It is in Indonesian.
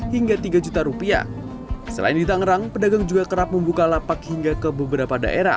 hingga tiga juta rupiah selain di tangerang pedagang juga kerap membuka lapak hingga ke beberapa daerah